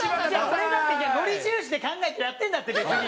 俺だってノリ重視で考えてやってるんだって別に。